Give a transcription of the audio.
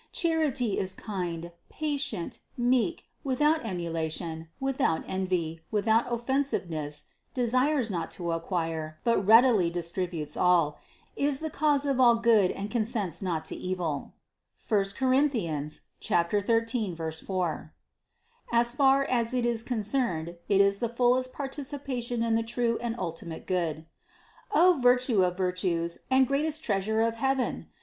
Char ity is kind, patient, meek, without emulation, without envy, without offensiveness, desires not to acquire, but readily distributes all, is the cause of all good and con sents not to evil; as far as it is concerned (I Cor. 13, 4) it is the fullest participation in the true and ultimate Good. O Virtue of virtues and greatest treasure of heaven!